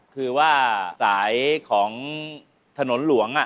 คือว่าสายของถนนหลวง